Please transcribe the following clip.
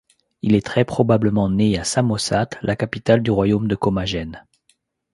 Il est très probablement né à Samosate, la capitale du Royaume de Commagène.